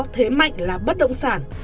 thế mạnh là bất động sản